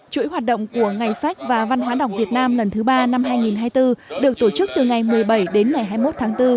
chuỗi hoạt động của ngày sách và văn hóa đọc việt nam lần thứ ba năm hai nghìn hai mươi bốn được tổ chức từ ngày một mươi bảy đến ngày hai mươi một tháng bốn